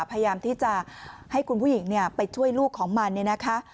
พยายามที่จะให้คุณผู้หญิงไปช่วยลูกของมันเนี่ยนะคะ